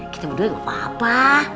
kita berdua gak apa apa